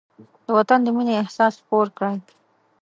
د وطن د مینې احساس خپور کړئ.